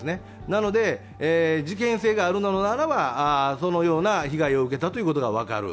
なので、事件性があるのならば、そのような被害を受けたことが分かる。